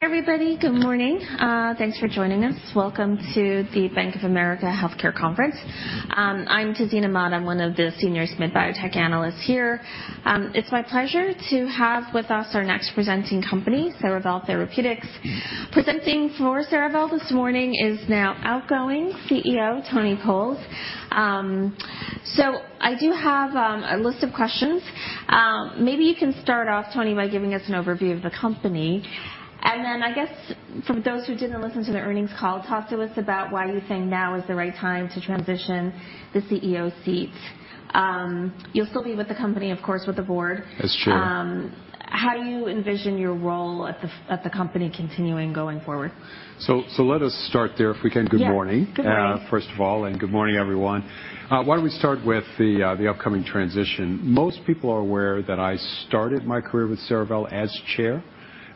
Everybody, good morning. Thanks for joining us. Welcome to the Bank of America Healthcare Conference. I'm Tazeen Ahmad, I'm one of the senior SMID Biotech analysts here. It's my pleasure to have with us our next presenting company, Cerevel Therapeutics. Presenting for Cerevel this morning is now outgoing CEO, Tony Coles. I do have a list of questions. Maybe you can start off, Tony, by giving us an overview of the company, and then I guess for those who didn't listen to the earnings call, talk to us about why you think now is the right time to transition the CEO seat. You'll still be with the company, of course, with the board. Yes Chair. How do you envision your role at the company continuing going forward? Let us start there, if we can. Yeah. Good morning. Good morning. First of all, good morning, everyone. Why don't we start with the upcoming transition? Most people are aware that I started my career with Cerevel as chair,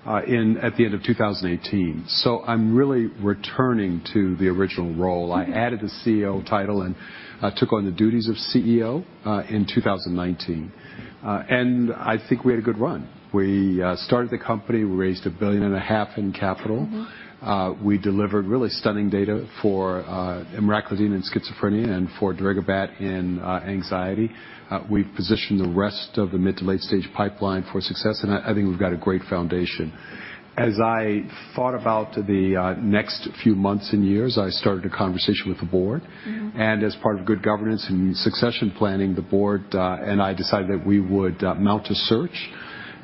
at the end of 2018. I'm really returning to the original role. Mm-hmm. I added the CEO title and took on the duties of CEO in 2019. I think we had a good run. We started the company. We raised a billion and a half in capital. Mm-hmm. We delivered really stunning data for emraclidine in schizophrenia and for darigabat in anxiety. We've positioned the rest of the mid to late stage pipeline for success, and I think we've got a great foundation. As I thought about the next few months and years, I started a conversation with the board. Mm-hmm. As part of good governance and succession planning, the board, and I decided that we would, mount a search,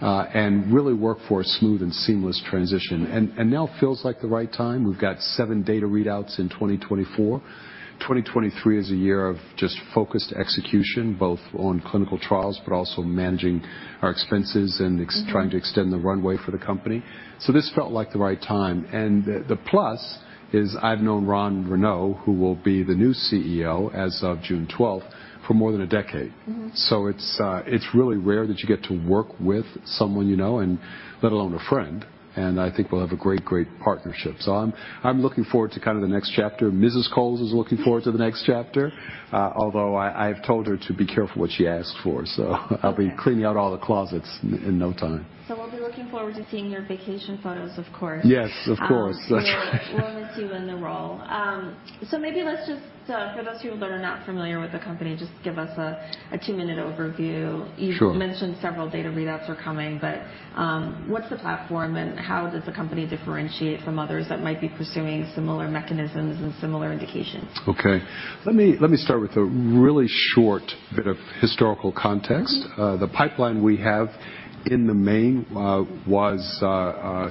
and really work for a smooth and seamless transition. Now feels like the right time. We've got 7 data readouts in 2024. 2023 is a year of just focused execution, both on clinical trials, but also managing our expenses. Mm-hmm. trying to extend the runway for the company. This felt like the right time. The plus is I've known Ron Renaud, who will be the new CEO as of June twelfth, for more than a decade. Mm-hmm. It's really rare that you get to work with someone you know, and let alone a friend, and I think we'll have a great partnership. I'm looking forward to kind of the next chapter. Mrs. Coles is looking forward to the next chapter, although I've told her to be careful what she asks for, so... Okay. I'll be cleaning out all the closets in no time. We'll be looking forward to seeing your vacation photos, of course. Yes, of course. We'll miss you in the role. Maybe let's just, for those people that are not familiar with the company, just give us a two-minute overview. Sure. You've mentioned several data readouts are coming, but, what's the platform and how does the company differentiate from others that might be pursuing similar mechanisms and similar indications? Okay. Let me start with a really short bit of historical context. Mm-hmm. The pipeline we have in the main was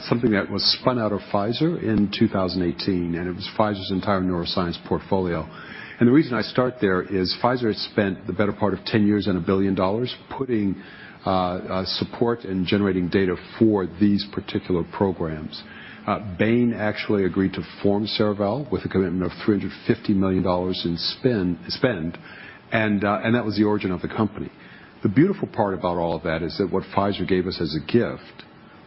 something that was spun out of Pfizer in 2018, and it was Pfizer's entire neuroscience portfolio. The reason I start there is Pfizer had spent the better part of 10 years and $1 billion putting support and generating data for these particular programs. Bain actually agreed to form Cerevel with a commitment of $350 million in spend, and that was the origin of the company. The beautiful part about all of that is that what Pfizer gave us as a gift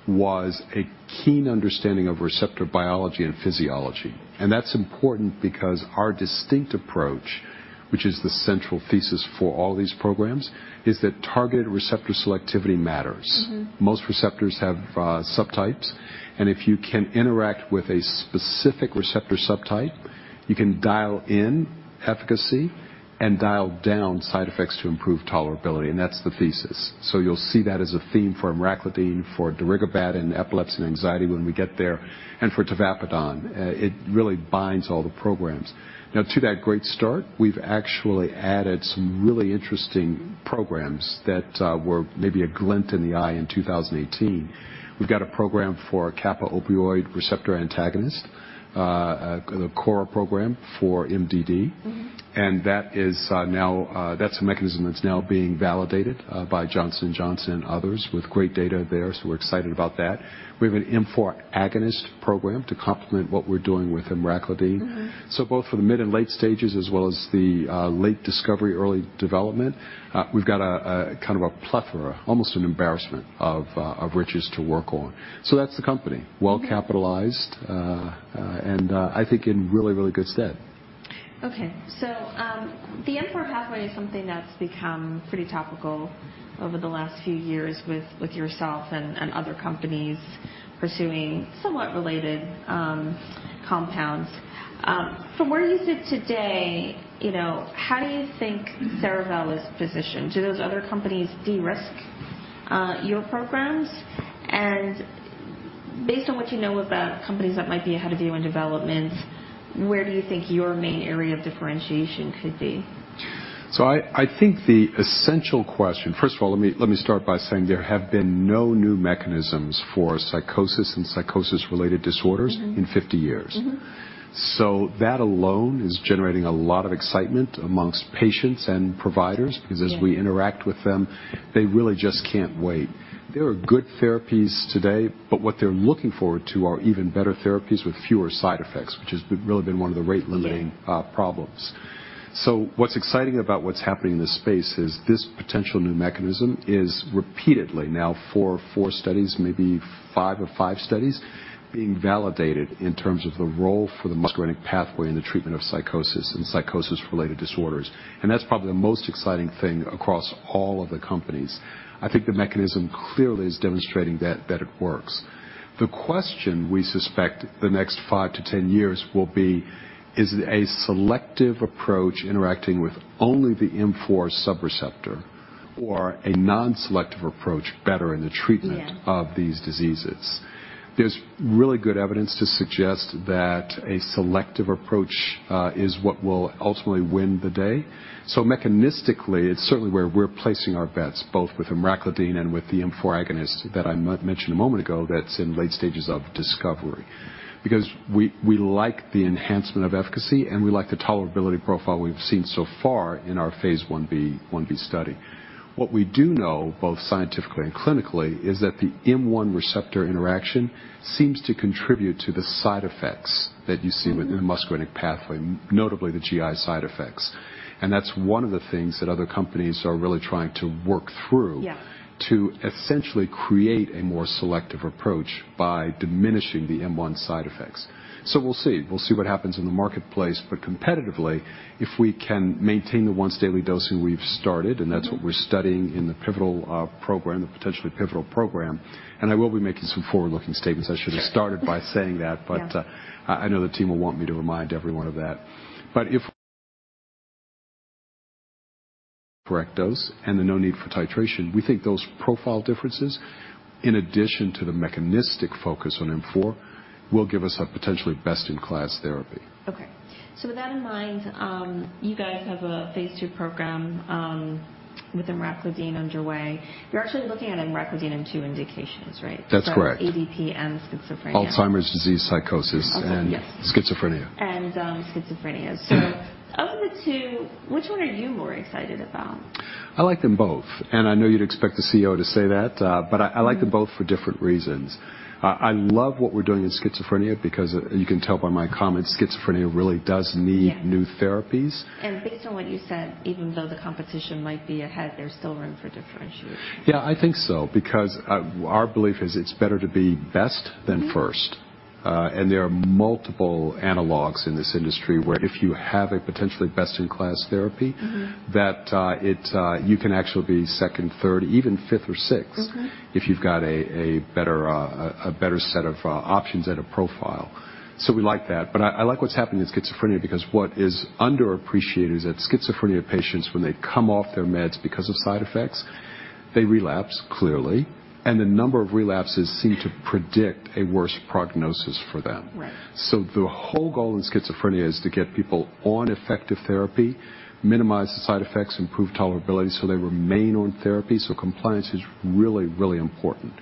was a keen understanding of receptor biology and physiology. That's important because our distinct approach, which is the central thesis for all these programs, is that targeted receptor selectivity matters. Mm-hmm. Most receptors have subtypes. If you can interact with a specific receptor subtype, you can dial in efficacy and dial down side effects to improve tolerability. That's the thesis. You'll see that as a theme for emraclidine, for darigabat in epilepsy and anxiety when we get there, and for tavapadon. It really binds all the programs. To that great start, we've actually added some really interesting programs that were maybe a glint in the eye in 2018. We've got a program for kappa opioid receptor antagonist, the KORA program for MDD. Mm-hmm. That is, now, that's a mechanism that's now being validated, by Johnson & Johnson and others with great data there. We're excited about that. We have an M4 agonist program to complement what we're doing with emraclidine. Mm-hmm. Both for the mid and late stages, as well as the late discovery, early development, we've got a kind of a plethora, almost an embarrassment of riches to work on. That's the company. Mm-hmm. Well-capitalized, and I think in really, really good stead. Okay. The M4 pathway is something that's become pretty topical over the last few years with yourself and other companies pursuing somewhat related compounds. From where you sit today, you know, how do you think Cerevel is positioned? Do those other companies de-risk your programs? Based on what you know about companies that might be ahead of you in development, where do you think your main area of differentiation could be? I think the essential question. First of all, let me start by saying there have been no new mechanisms for psychosis and psychosis-related disorders. Mm-hmm. in 50 years. Mm-hmm. That alone is generating a lot of excitement amongst patients and providers. Yes. Because as we interact with them, they really just can't wait. There are good therapies today, but what they're looking forward to are even better therapies with fewer side effects, which has really been one of the rate limiting. Yeah. Problems. What's exciting about what's happening in this space is this potential new mechanism is repeatedly now, four of four studies, maybe five of five studies, being validated in terms of the role for the muscarinic pathway in the treatment of psychosis and psychosis-related disorders. That's probably the most exciting thing across all of the companies. I think the mechanism clearly is demonstrating that it works. The question we suspect the next 5-10 years will be, is a selective approach interacting with only the M4 subreceptor or a non-selective approach better in the treatment- Yeah. -of these diseases? There's really good evidence to suggest that a selective approach is what will ultimately win the day. Mechanistically, it's certainly where we're placing our bets, both with emraclidine and with the M4 agonist that I mentioned a moment ago that's in late stages of discovery. Because we like the enhancement of efficacy, and we like the tolerability profile we've seen so far in our phase 1B study. What we do know, both scientifically and clinically, is that the M1 receptor interaction seems to contribute to the side effects that you see. Mm-hmm. with the muscarinic pathway, notably the GI side effects. That's one of the things that other companies are really trying to work through Yeah. To essentially create a more selective approach by diminishing the M1 side effects. We'll see. We'll see what happens in the marketplace. Competitively, if we can maintain the once-daily dosing we've started, and that's what we're studying in the pivotal program, the potentially pivotal program. I will be making some forward-looking statements. I should have started by saying that. Yeah. I know the team will want me to remind everyone of that. If correct dose and the no need for titration, we think those profile differences, in addition to the mechanistic focus on M4, will give us a potentially best-in-class therapy. With that in mind, you guys have a phase 2 program with emraclidine underway. You're actually looking at emraclidine in 2 indications, right? That's correct. ADP and Schizophrenia. Alzheimer's disease psychosis Okay. Yes. Schizophrenia. Schizophrenia. Yeah. Of the two, which one are you more excited about? I like them both. I know you'd expect a CEO to say that, but I like them both for different reasons. I love what we're doing in schizophrenia because you can tell by my comments, schizophrenia really does need- Yeah. new therapies. Based on what you said, even though the competition might be ahead, there's still room for differentiation. I think so, because our belief is it's better to be best than first. Mm-hmm. There are multiple analogs in this industry where if you have a potentially best-in-class therapy- Mm-hmm. that, it, you can actually be second, third, even fifth or sixth Mm-hmm. if you've got a better, a better set of, options and a profile. We like that. I like what's happening in schizophrenia because what is underappreciated is that Schizophrenia patients, when they come off their meds because of side effects, they relapse, clearly, and the number of relapses seem to predict a worse prognosis for them. Right. The whole goal in schizophrenia is to get people on effective therapy, minimize the side effects, improve tolerability so they remain on therapy. Compliance is really, really important.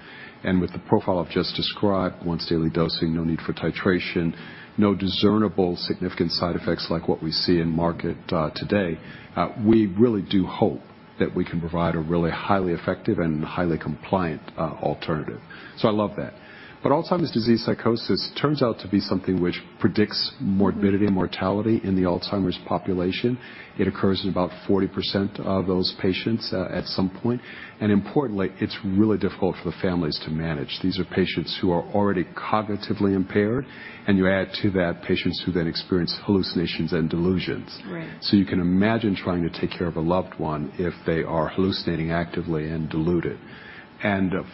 With the profile I've just described, once daily dosing, no need for titration, no discernible significant side effects like what we see in market today, we really do hope that we can provide a really highly effective and highly compliant alternative. I love that. Alzheimer's disease psychosis turns out to be something which predicts morbidity and mortality in the Alzheimer's population. It occurs in about 40% of those patients at some point. Importantly, it's really difficult for the families to manage. These are patients who are already cognitively impaired, and you add to that patients who then experience hallucinations and delusions. Right. You can imagine trying to take care of a loved one if they are hallucinating actively and deluded.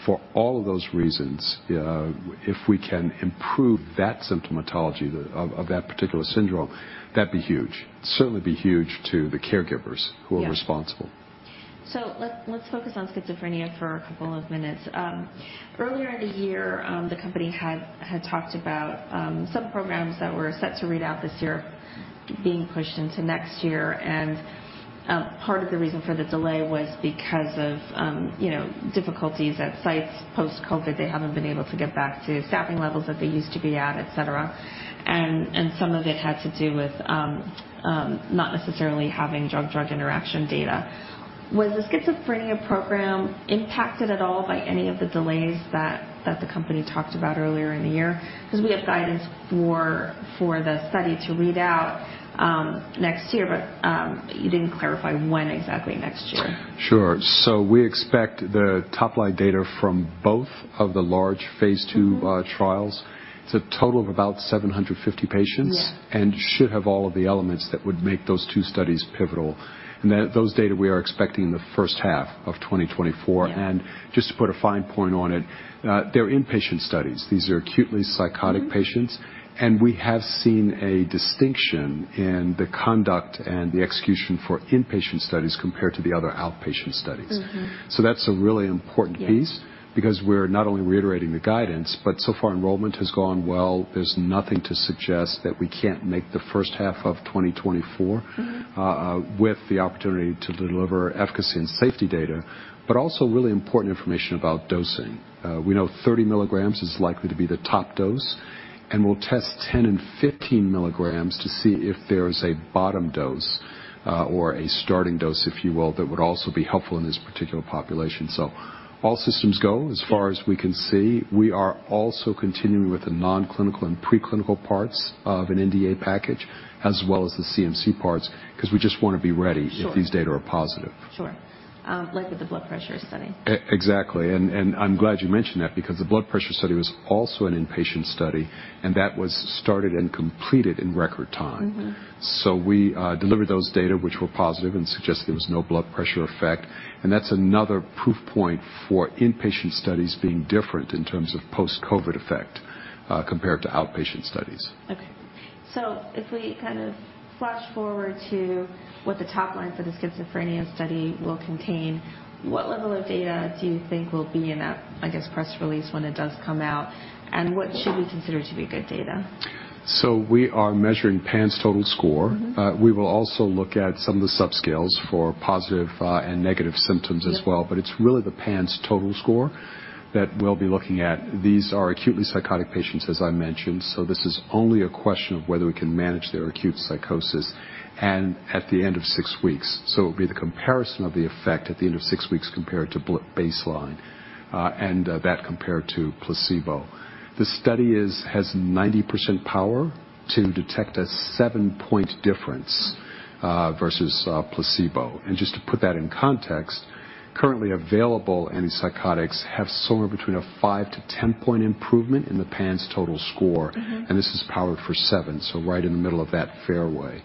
For all of those reasons, if we can improve that symptomatology of that particular syndrome, that'd be huge. Certainly be huge to the caregivers who are responsible. Yeah. Let's focus on schizophrenia for a couple of minutes. Earlier in the year, the company had talked about some programs that were set to read out this year being pushed into next year. Part of the reason for the delay was because of, you know, difficulties at sites post-COVID. They haven't been able to get back to staffing levels that they used to be at, et cetera. Some of it had to do with not necessarily having drug-drug interaction data. Was the Schizophrenia program impacted at all by any of the delays that the company talked about earlier in the year? 'Cause we have guidance for the study to read out next year, but you didn't clarify when exactly next year. Sure. We expect the top-line data from both of the large phase 2- Mm-hmm. trials. It's a total of about 750 patients. Yeah. Should have all of the elements that would make those two studies pivotal. Those data we are expecting in the first half of 2024. Yeah. Just to put a fine point on it, they're inpatient studies. These are acutely psychotic patients. Mm-hmm. We have seen a distinction in the conduct and the execution for inpatient studies compared to the other outpatient studies. Mm-hmm. That's a really important piece. Yeah. We're not only reiterating the guidance, but so far enrollment has gone well. There's nothing to suggest that we can't make the first half of 2024. Mm-hmm. With the opportunity to deliver efficacy and safety data, but also really important information about dosing. We know 30 mg is likely to be the top dose, and we'll test 10 and 15 mg to see if there's a bottom dose, or a starting dose, if you will, that would also be helpful in this particular population. All systems go, as far as we can see. We are also continuing with the non-clinical and pre-clinical parts of an NDA package, as well as the CMC parts, 'cause we just wanna be ready. Sure. if these data are positive. Sure. like with the blood pressure study. Exactly. I'm glad you mentioned that because the blood pressure study was also an inpatient study, and that was started and completed in record time. Mm-hmm. We delivered those data, which were positive and suggest there was no blood pressure effect. That's another proof point for inpatient studies being different in terms of post-COVID effect, compared to outpatient studies. Okay. If we kind of flash forward to what the top line for the Schizophrenia study will contain, what level of data do you think will be in that, I guess, press release when it does come out, and what should we consider to be good data? We are measuring PANSS total score. Mm-hmm. We will also look at some of the subscales for positive and negative symptoms as well. Yeah. It's really the PANSS total score that we'll be looking at. These are acutely psychotic patients, as I mentioned, so this is only a question of whether we can manage their acute psychosis and at the end of six weeks. It'll be the comparison of the effect at the end of six weeks compared to baseline and that compared to placebo. The study has 90% power to detect a seven-point difference versus placebo. Just to put that in context, currently available antipsychotics have somewhere between a 5-10-point improvement in the PANSS total score. Mm-hmm. This is powered for 7, so right in the middle of that fairway.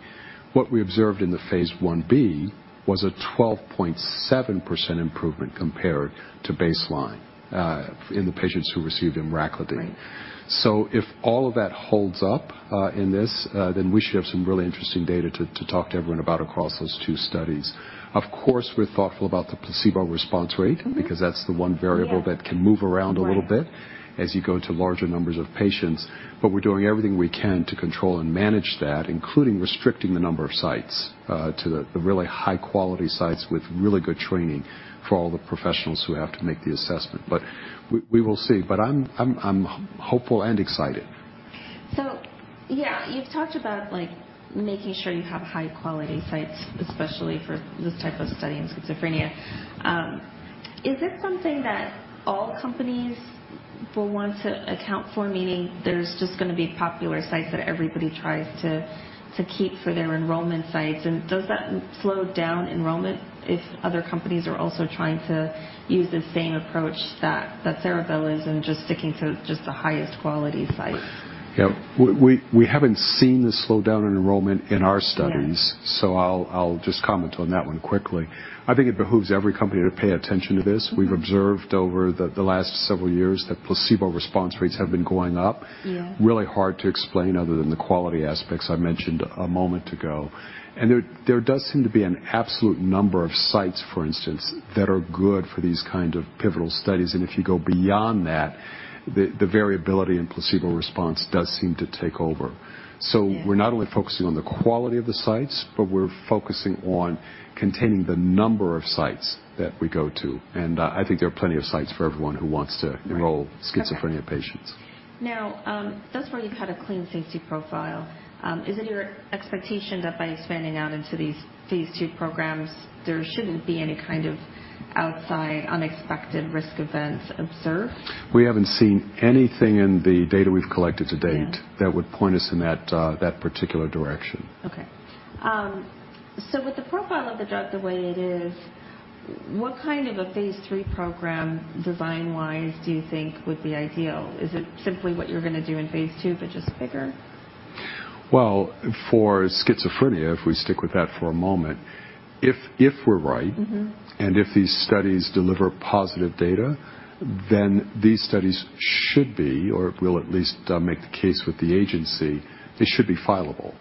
What we observed in the phase 1B was a 12.7% improvement compared to baseline, in the patients who received emraclidine. Right. If all of that holds up, in this, then we should have some really interesting data to talk to everyone about across those two studies. Of course, we're thoughtful about the placebo response rate. Mm-hmm. because that's the one variable that- Yeah. Can move around a little bit. Right. As you go to larger numbers of patients. We're doing everything we can to control and manage that, including restricting the number of sites, to the really high-quality sites with really good training for all the professionals who have to make the assessment. We will see. I'm hopeful and excited. Yeah, you've talked about, like, making sure you have high-quality sites, especially for this type of study in schizophrenia. Is it something that all companies will want to account for? Meaning there's just gonna be popular sites that everybody tries to keep for their enrollment sites. Does that slow down enrollment if other companies are also trying to use the same approach that Cerevel is in sticking to just the highest quality sites? Yeah. We haven't seen the slowdown in enrollment in our studies. Yeah. I'll just comment on that one quickly. I think it behooves every company to pay attention to this. Mm-hmm. We've observed over the last several years that placebo response rates have been going up. Yeah. Really hard to explain other than the quality aspects I mentioned a moment ago. There, there does seem to be an absolute number of sites, for instance, that are good for these kind of pivotal studies. If you go beyond that, the variability in placebo response does seem to take over. Yeah. We're not only focusing on the quality of the sites, but we're focusing on containing the number of sites that we go to. I think there are plenty of sites for everyone who wants to. Right. -enroll schizophrenia patients. Okay. Thus far you've had a clean safety profile. Is it your expectation that by expanding out into these two programs, there shouldn't be any kind of outside unexpected risk events observed? We haven't seen anything in the data we've collected to date. Yeah. -that would point us in that particular direction. Okay. With the profile of the drug the way it is, what kind of a phase 3 program, design-wise, do you think would be ideal? Is it simply what you're gonna do in phase 2, but just bigger? Well, for schizophrenia, if we stick with that for a moment. If we're right. Mm-hmm. If these studies deliver positive data, then these studies should be, or we'll at least, make the case with the agency, they should be fileable.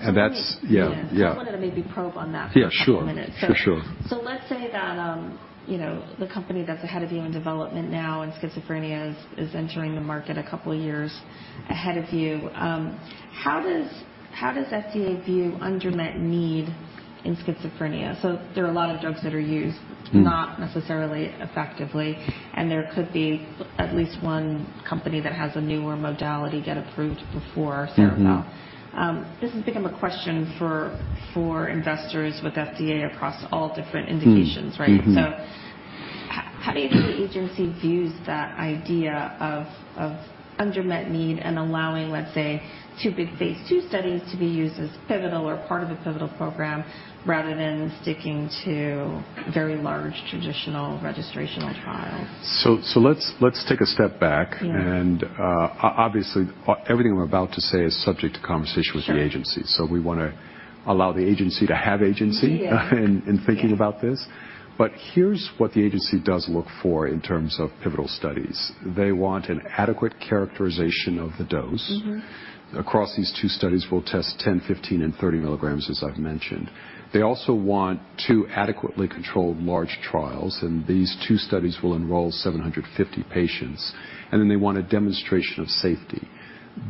That's- let me. Yeah, yeah. I wanted to maybe probe on that for a couple minutes. Yeah, sure. For sure. Let's say that, you know, the company that's ahead of you in development now in schizophrenia is entering the market a couple of years ahead of you. How does FDA view unmet need in schizophrenia? There are a lot of drugs that are used- Mm. not necessarily effectively. There could be at least one company that has a newer modality get approved before Cerevel. Mm-hmm. this has become a question for investors with FDA across all different indications. Mm, mm-hmm. Right? How do you think the agency views that idea of unmet need and allowing, let's say, two big phase two studies to be used as pivotal or part of the pivotal program, rather than sticking to very large traditional registrational trials? Let's take a step back. Yeah. Obviously, everything we're about to say is subject to conversation with the agency. Sure. we wanna allow the agency to have agency. Yeah. in thinking about this. Here's what the agency does look for in terms of pivotal studies. They want an adequate characterization of the dose. Mm-hmm. Across these two studies, we'll test 10, 15, and 30 mg, as I've mentioned. They also want two adequately controlled large trials, and these two studies will enroll 750 patients. They want a demonstration of safety.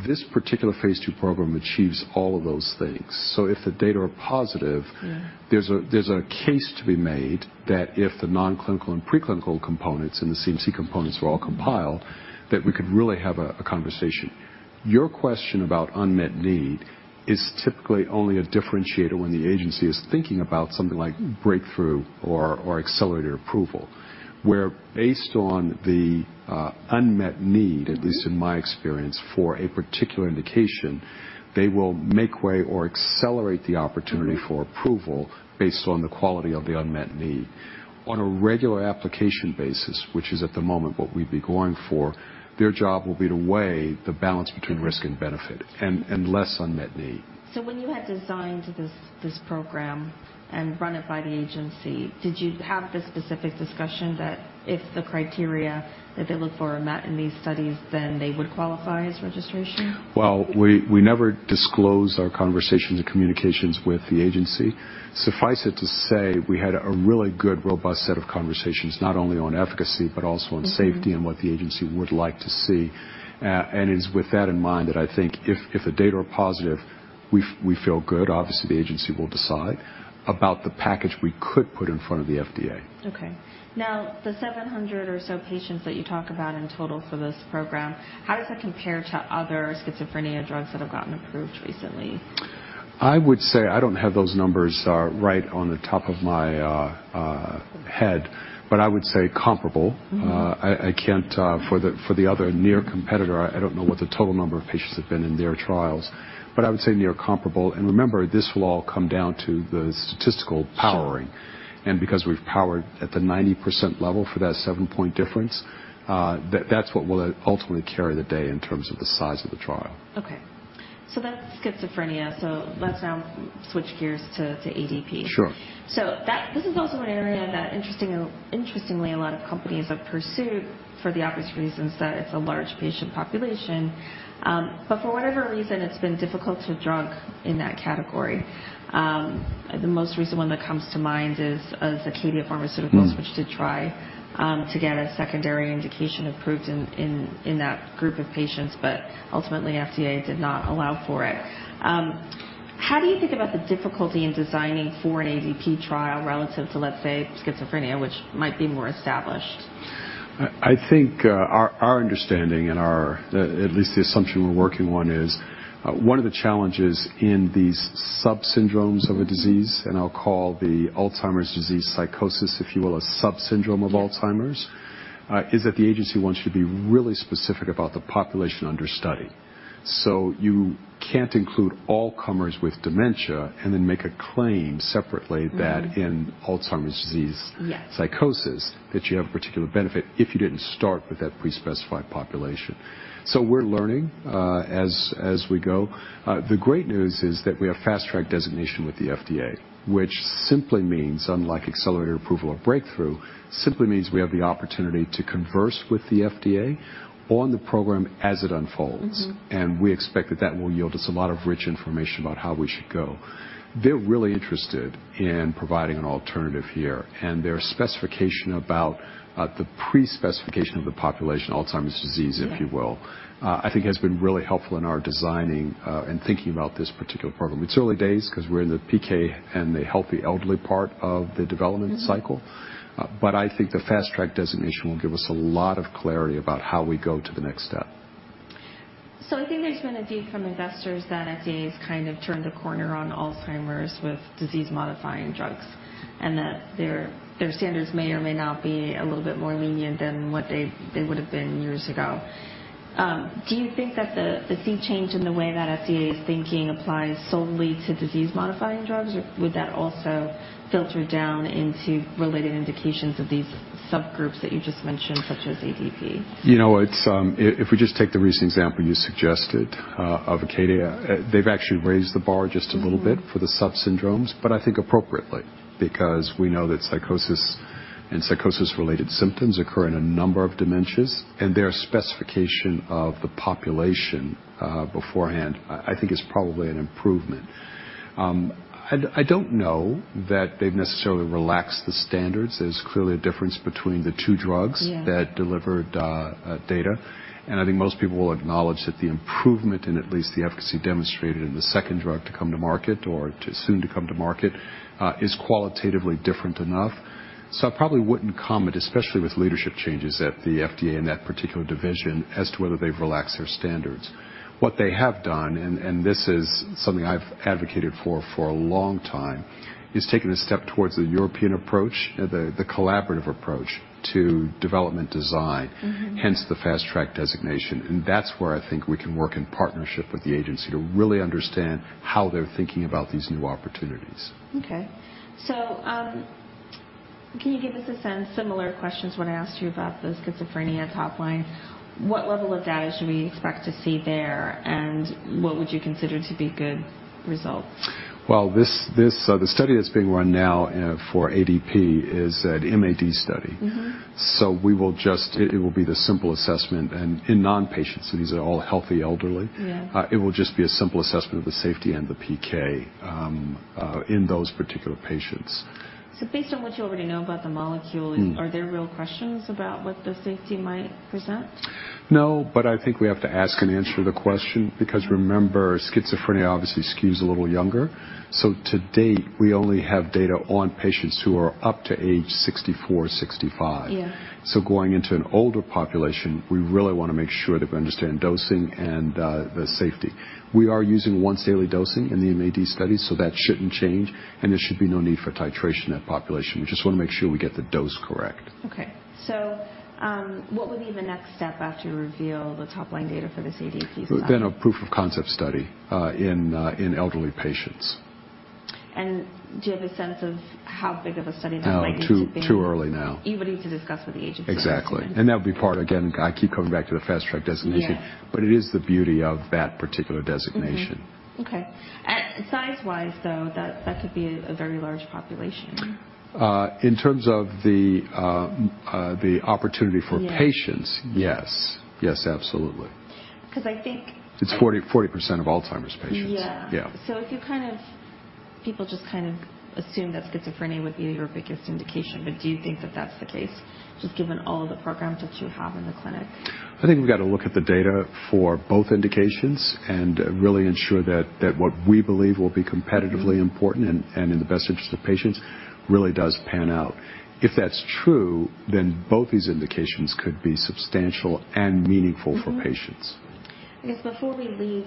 This particular phase two program achieves all of those things. If the data are positive. Yeah. There's a case to be made that if the non-clinical and preclinical components and the CMC components were all compiled, that we could really have a conversation. Your question about unmet need is typically only a differentiator when the agency is thinking about something like Breakthrough or Accelerated Approval, where based on the unmet need, at least in my experience, for a particular indication, they will make way or accelerate the opportunity for approval based on the quality of the unmet need. On a regular application basis, which is at the moment what we'd be going for, their job will be to weigh the balance between risk and benefit and less unmet need. When you had designed this program and run it by the Agency, did you have the specific discussion that if the criteria that they look for are met in these studies, then they would qualify as registration? Well, we never disclose our conversations or communications with the agency. Suffice it to say, we had a really good, robust set of conversations, not only on efficacy, but also on safety and what the agency would like to see. It's with that in mind that I think if the data are positive, we feel good, obviously, the agency will decide about the package we could put in front of the FDA. Okay. Now, the 700 or so patients that you talk about in total for this program, how does that compare to other schizophrenia drugs that have gotten approved recently? I would say I don't have those numbers, right on the top of my head, but I would say comparable. Mm-hmm. I can't for the other near competitor, I don't know what the total number of patients have been in their trials, but I would say near comparable. Remember, this will all come down to the statistical powering. Sure. Because we've powered at the 90% level for that seven-point difference, that's what will ultimately carry the day in terms of the size of the trial. Okay. That's Schizophrenia. Let's now switch gears to ADP. Sure. This is also an area that interestingly, a lot of companies have pursued for the obvious reasons that it's a large patient population. For whatever reason, it's been difficult to drug in that category. The most recent one that comes to mind is Acadia Pharmaceuticals, which did try to get a secondary indication approved in that group of patients, ultimately, FDA did not allow for it. How do you think about the difficulty in designing for an ADP trial relative to, let's say, Schizophrenia, which might be more established? I think our understanding and our, at least the assumption we're working on is one of the challenges in these subsyndromes of a disease, and I'll call the Alzheimer's disease psychosis, if you will, a subsyndrome of Alzheimer's, is that the agency wants you to be really specific about the population under study. You can't include all comers with dementia and then make a claim separately... Mm-hmm. that in Alzheimer's disease Yes. psychosis, that you have a particular benefit if you didn't start with that pre-specified population. We're learning as we go. The great news is that we have Fast Track designation with the FDA, which simply means, unlike Accelerated Approval or Breakthrough, simply means we have the opportunity to converse with the FDA on the program as it unfolds. Mm-hmm. We expect that that will yield us a lot of rich information about how we should go. They're really interested in providing an alternative here, their specification about the pre-specification of the population, Alzheimer's disease. Yeah. -if you will, I think has been really helpful in our designing and thinking about this particular program. It's early days because we're in the PK and the healthy elderly part of the development cycle. Mm-hmm. I think the Fast Track designation will give us a lot of clarity about how we go to the next step. I think there's been a view from investors that FDA has kind of turned a corner on Alzheimer's with disease-modifying drugs and that their standards may or may not be a little bit more lenient than what they would have been years ago. Do you think that the sea change in the way that FDA is thinking applies solely to disease-modifying drugs or would that also filter down into related indications of these subgroups that you just mentioned, such as ADP? You know, it's, if we just take the recent example you suggested, of Acadia, they've actually raised the bar just a little bit. Mm-hmm. -for the subsyndromes, I think appropriately, because we know that psychosis and psychosis-related symptoms occur in a number of dementias, and their specification of the population beforehand, I think is probably an improvement. I don't know that they've necessarily relaxed the standards. There's clearly a difference between the two drugs. Yeah. -that delivered data. I think most people will acknowledge that the improvement in at least the efficacy demonstrated in the second drug to come to market or to soon to come to market is qualitatively different enough. I probably wouldn't comment, especially with leadership changes at the FDA in that particular division, as to whether they've relaxed their standards. What they have done, and this is something I've advocated for a long time, is taking a step towards the European approach, the collaborative approach to development design- Mm-hmm. hence the Fast Track designation. That's where I think we can work in partnership with the agency to really understand how they're thinking about these new opportunities. Okay. Can you give us a sense, similar question to when I asked you about the schizophrenia top line, what level of data should we expect to see there, and what would you consider to be good results? Well, this, the study that's being run now, for ADP is an MAD study. Mm-hmm. It will be the simple assessment and in non-patients, so these are all healthy elderly. Yeah. It will just be a simple assessment of the safety and the PK in those particular patients. Based on what you already know about the molecule. Mm. Are there real questions about what the safety might present? I think we have to ask and answer the question because remember, schizophrenia obviously skews a little younger. To date, we only have data on patients who are up to age 64, 65. Yeah. Going into an older population, we really wanna make sure that we understand dosing and the safety. We are using once daily dosing in the MAD study, so that shouldn't change, and there should be no need for titration in that population. We just wanna make sure we get the dose correct. Okay. What would be the next step after you reveal the top-line data for this ADP study? A proof of concept study, in elderly patients. Do you have a sense of how big of a study that might need to be? Oh, too early now. You would need to discuss with the agent. Exactly. Again, I keep coming back to the Fast Track designation. Yeah. It is the beauty of that particular designation. Mm-hmm. Okay. size-wise though, that could be a very large population. In terms of the opportunity. Yeah patients, yes. Yes, absolutely. Cause I think- It's 40% of Alzheimer's patients. Yeah. Yeah. People just kind of assume that schizophrenia would be your biggest indication, but do you think that that's the case, just given all the programs that you have in the clinic? I think we've gotta look at the data for both indications and really ensure that what we believe will be competitively important and in the best interest of patients really does pan out. If that's true, both these indications could be substantial and meaningful for patients. I guess before we leave,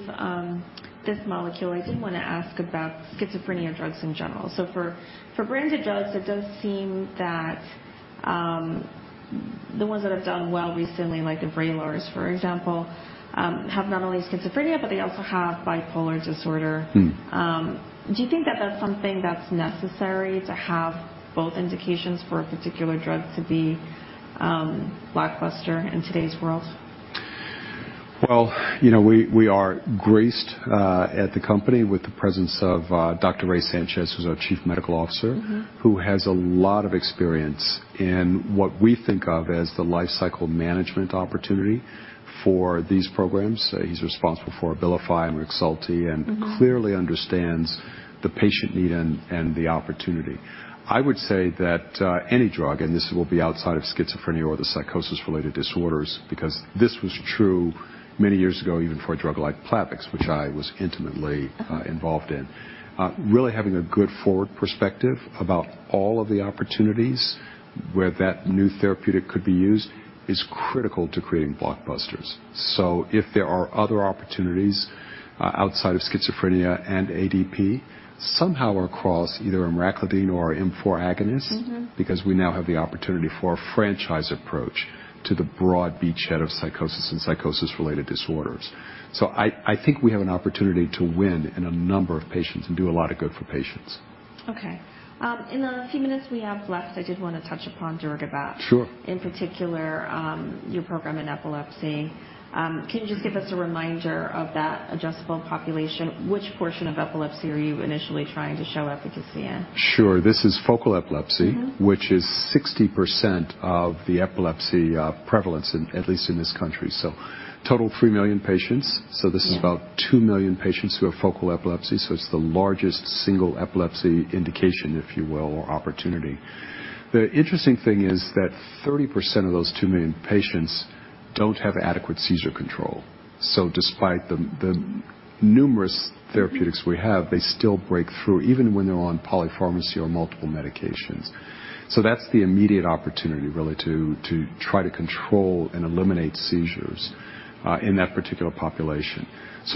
this molecule, I did wanna ask about schizophrenia drugs in general. For branded drugs, it does seem that the ones that have done well recently, like the Vraylar, for example, have not only Schizophrenia, but they also have bipolar disorder. Hmm. Do you think that that's something that's necessary to have both indications for a particular drug to be blockbuster in today's world? Well, you know, we are graced at the company with the presence of Dr. Ray Sanchez, who's our Chief Medical Officer. Mm-hmm. Who has a lot of experience in what we think of as the lifecycle management opportunity for these programs. He's responsible for Abilify and Rexulti and- Mm-hmm... clearly understands the patient need and the opportunity. I would say that any drug, and this will be outside of schizophrenia or the psychosis-related disorders, because this was true many years ago, even for a drug like Plavix, which I was intimately- Mm-hmm... involved in. Really having a good forward perspective about all of the opportunities where that new therapeutic could be used is critical to creating blockbusters. If there are other opportunities, outside of schizophrenia and ADP, somehow or across either emraclidine or M4 agonist- Mm-hmm... because we now have the opportunity for a franchise approach to the broad beachhead of psychosis and psychosis-related disorders. I think we have an opportunity to win in a number of patients and do a lot of good for patients. In the few minutes we have left, I did wanna touch upon darigabat. Sure. In particular, your program in epilepsy. Can you just give us a reminder of that addressable population? Which portion of epilepsy are you initially trying to show efficacy in? Sure. This is focal epilepsy. Mm-hmm. Which is 60% of the epilepsy prevalence in, at least in this country. Total 3 million patients. Yeah. This is about 2 million patients who have focal epilepsy, so it's the largest single epilepsy indication, if you will, or opportunity. The interesting thing is that 30% of those 2 million patients don't have adequate seizure control. Despite the numerous therapeutics we have, they still break through even when they're on polypharmacy or multiple medications. That's the immediate opportunity really to try to control and eliminate seizures in that particular population.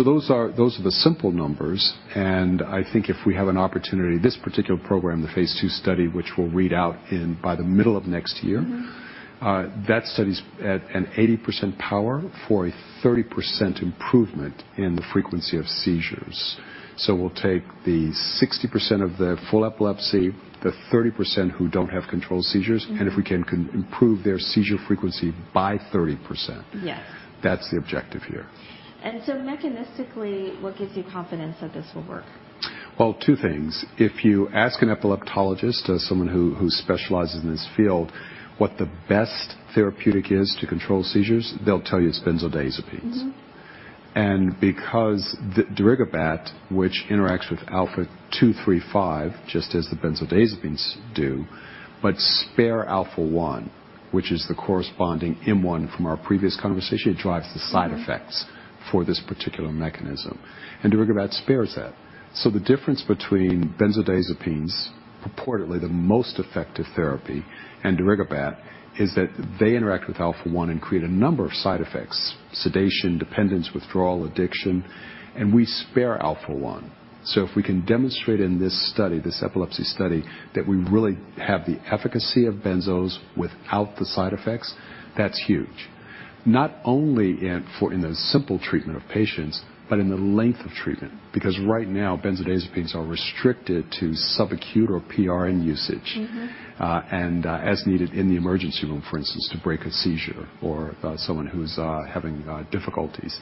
Those are the simple numbers. I think if we have an opportunity, this particular program, the phase 2 study, which we'll read out in by the middle of next year. Mm-hmm ... that study's at an 80% power for a 30% improvement in the frequency of seizures. We'll take the 60% of the full epilepsy, the 30% who don't have controlled seizures. Mm-hmm If we can improve their seizure frequency by 30%. Yes. That's the objective here. Mechanistically, what gives you confidence that this will work? Well, two things. If you ask an epileptologist, as someone who specializes in this field, what the best therapeutic is to control seizures, they'll tell you it's benzodiazepines. Mm-hmm. Because darigabat, which interacts with alpha-2/3/5, just as the benzodiazepines do, but spare alpha-1, which is the corresponding M1 from our previous conversation, it drives the side effects. Mm-hmm... for this particular mechanism. Darigabat spares that. The difference between benzodiazepines, purportedly the most effective therapy, and darigabat, is that they interact with alpha-1 and create a number of side effects: sedation, dependence, withdrawal, addiction. We spare alpha-1. If we can demonstrate in this study, this epilepsy study, that we really have the efficacy of benzos without the side effects, that's huge. Not only in the simple treatment of patients, but in the length of treatment. Right now, benzodiazepines are restricted to subacute or PRN usage. Mm-hmm. As needed in the emergency room, for instance, to break a seizure for someone who's having difficulties.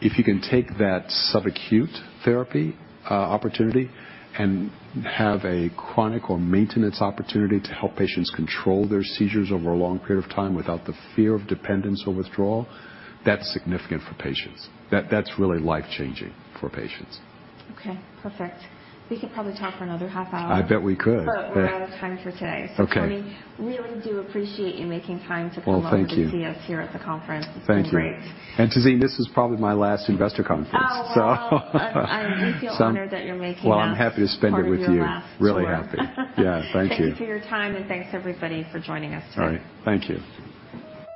If you can take that subacute therapy opportunity and have a chronic or maintenance opportunity to help patients control their seizures over a long period of time without the fear of dependence or withdrawal, that's significant for patients. That's really life-changing for patients. Okay. Perfect. We could probably talk for another half hour. I bet we could. We're out of time for today. Okay. Tony, really do appreciate you making time to come by. Well, thank you.... to see us here at the conference. Thank you. It's been great. Tazeen, this is probably my last investor conference. Oh, well, I at least feel honored that you're making us. Well, I'm happy to spend it with you.... part of your last tour. Really happy. Yeah. Thank you. Thank you for your time, and thanks everybody for joining us today. All right. Thank you.